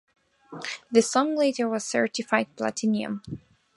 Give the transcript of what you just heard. The song later was certified platinum.